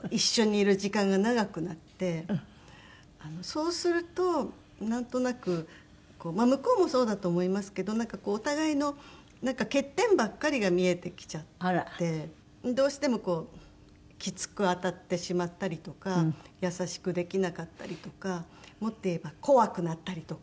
そうするとなんとなく向こうもそうだと思いますけどなんかお互いの欠点ばかりが見えてきちゃってどうしてもこうきつく当たってしまったりとか優しくできなかったりとかもっと言えば怖くなったりとか。